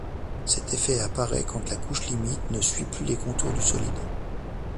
Cet effet apparaît quand la couche limite ne suit plus les contours du solide.